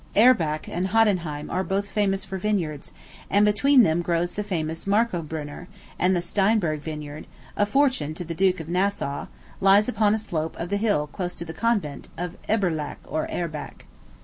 Erbach and Hattenheim are both famous for vineyards, and between them grows the famous Marcobrünner; and the Steinberg vineyard, a fortune to the Duke of Nassau, lies upon a slope of the hill close to the convent, of Eberbach or Erbach.